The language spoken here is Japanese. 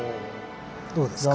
どうですか？